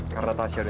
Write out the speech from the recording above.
karena tasya udah